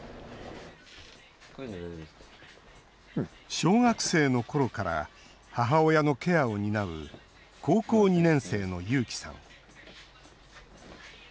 小学生のころから母親のケアを担う高校２年生の優輝さん。